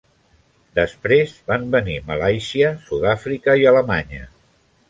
Després van venir Malàisia, Sud-àfrica i Alemanya.